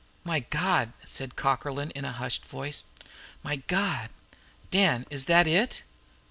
"My God!" said Cockerlyne, in a hushed voice. "My God! Dan, is that It?"